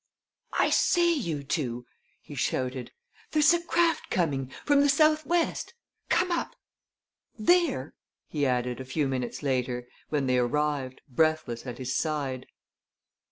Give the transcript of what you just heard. "I say, you two!" he shouted. "There's a craft coming from the south west. Come up! There!" he added, a few minutes later, when they arrived, breathless, at his side.